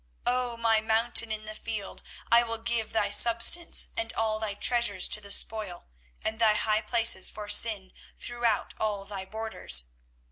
24:017:003 O my mountain in the field, I will give thy substance and all thy treasures to the spoil, and thy high places for sin, throughout all thy borders.